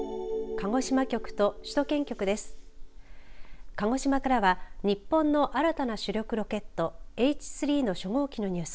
鹿児島からは日本の新たな主力ロケットＨ３の初号機のニュース。